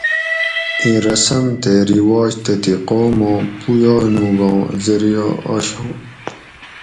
ایں رسم تے رواج تتھیں قوماں پویانوگاں زریعہ آشاۤں